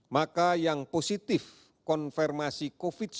maka yang positif konfirmasi covid sembilan belas